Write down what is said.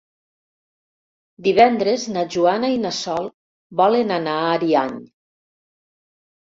Divendres na Joana i na Sol volen anar a Ariany.